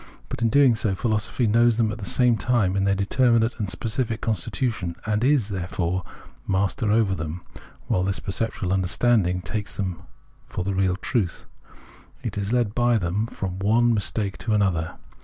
But, in doing so, pliilosophy knows them at the same time in their determinate and specific constitution, and is, therefore, master over them ; while that perceptual understanding takes them for the real truth, and is led by them from one mistake to another.